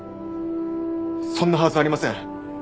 そんなはずありません。